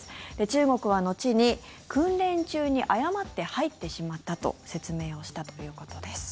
中国は後に訓練中に誤って入ってしまったと説明をしたということです。